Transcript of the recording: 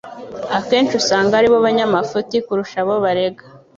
akenshi usanga ari bo banyamafuti kurusha abo barega.